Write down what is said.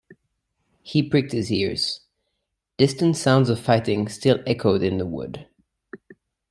He pricked his ears; distant sounds of fighting still echoed in the wood.